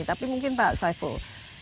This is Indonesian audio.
tapi mungkin pak saiful